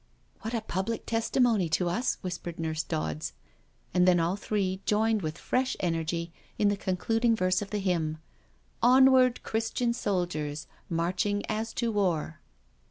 " What a public testimony to us," whispered Nurse Dodds. And then all three joined with fresh energy in the concluding verse of the hymn, '* Onward, Christian soldiers, marching as to war.